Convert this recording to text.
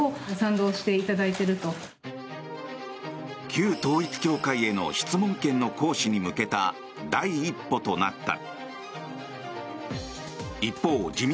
旧統一教会への質問権の行使に向けた第一歩となった。